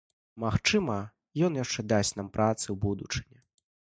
Магчыма, ён яшчэ дасць нам працы ў будучыні.